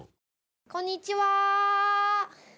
こんにちは！